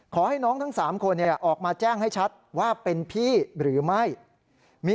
ขอให้น้องทั้ง๓คนออกมาแจ้งให้ชัดว่าเป็นพี่หรือไม่มี